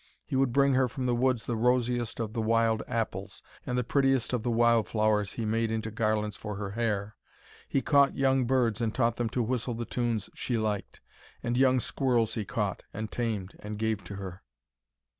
He would bring her from the woods the rosiest of the wild apples, and the prettiest of the wildflowers he made into garlands for her hair. He caught young birds and taught them to whistle the tunes she liked, and young squirrels he caught and tamed and gave to her.